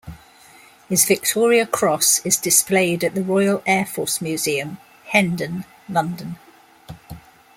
His Victoria Cross is displayed at the Royal Air Force Museum, Hendon, London.